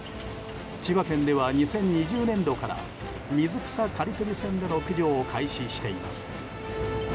千葉県では２０２０年度から水草刈取船での駆除を開始しています。